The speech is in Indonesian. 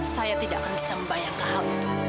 saya tidak akan bisa membayangkan hal itu